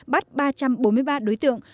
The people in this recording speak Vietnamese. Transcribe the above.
bắt ba trăm bốn mươi ba đối tượng